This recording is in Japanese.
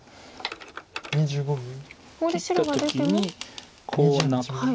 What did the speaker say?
切った時にこうなって。